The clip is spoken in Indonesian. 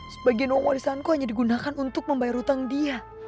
sebagian uang warisanku hanya digunakan untuk membayar hutang dia